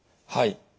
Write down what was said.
はい。